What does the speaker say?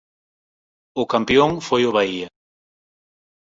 O campión foi o Bahia.